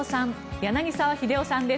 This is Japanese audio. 柳澤秀夫さんです。